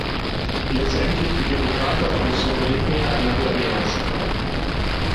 Jetzt endlich beginnen Vater und Sohn Regnier einander näherzukommen.